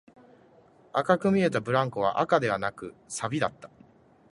赤く見えたブランコは赤ではなく、錆だった